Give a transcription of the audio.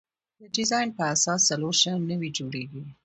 د ډیزاین په اساس څلور شیان نوي جوړیږي.